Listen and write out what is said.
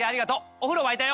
お風呂沸いたよ。